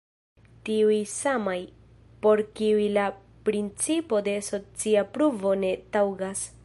Tiuj samaj, por kiuj la principo de socia pruvo ne taŭgas.